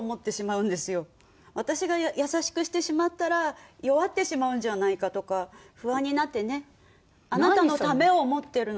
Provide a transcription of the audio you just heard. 私が優しくしてしまったら弱ってしまうんじゃないかとか不安になってねあなたのためを思ってるの。